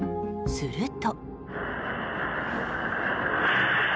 すると。